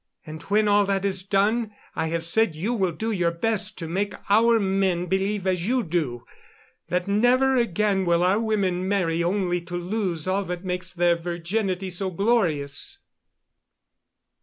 "And when all that is done I have said you will do your best to make our men believe as you do, so that never again will our women marry only to lose all that makes their virginity so glorious."